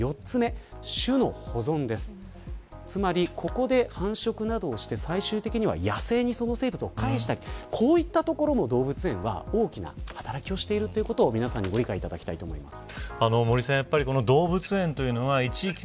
ここで繁殖などをして最終的には野生にその生物を返したりこういうところの動物園は大きな働きをしているということを皆さんにご理解いただきたいと思います。